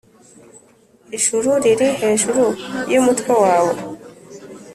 Ijuru riri hejuru y’umutwe wawe